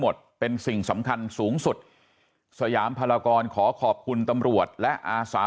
หมดเป็นสิ่งสำคัญสูงสุดสยามพลากรขอขอบคุณตำรวจและอาสา